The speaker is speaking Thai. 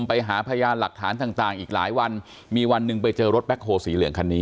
ไปหาพยานหลักฐานต่างต่างอีกหลายวันมีวันหนึ่งไปเจอรถแบ็คโฮลสีเหลืองคันนี้